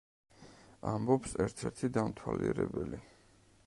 ამბობს ერთ-ერთი დამთვალიერებელი.